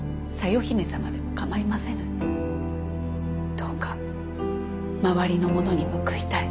どうか周りの者に報いたい。